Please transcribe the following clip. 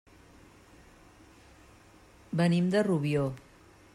Venim de Rubió.